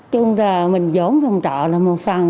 chung là mình dỗn trong trọ là một phần